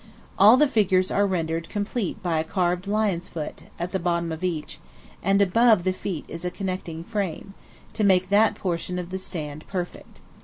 All the figures are rendered complete by a carved lion's foot, at the bottom of each, and above the feet is a connecting frame, to make that portion of the stand perfect.